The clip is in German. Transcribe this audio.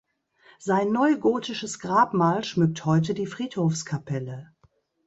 Sein neugotisches Grabmal schmückt heute die Friedhofskapelle.